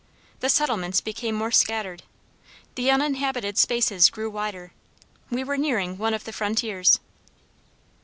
The settlements became more scattered, the uninhabited spaces grew wider. We were nearing one of the frontiers.